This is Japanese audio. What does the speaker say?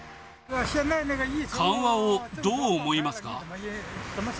緩和をどう思いますか。